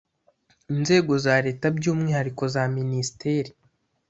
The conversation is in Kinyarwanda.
inzego za leta by ‘umwihariko za minisiteri .